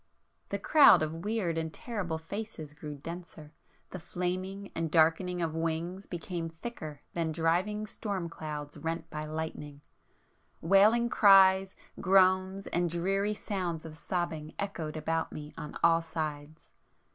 The crowd of weird and terrible faces grew denser,—the flaming and darkening of wings became thicker than driving storm clouds rent by lightning,—wailing cries, groans and dreary sounds of sobbing echoed about me on all sides